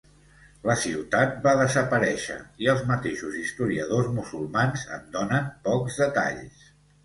La ciutat va desaparèixer i els mateixos historiadors musulmans en donen pocs detalls.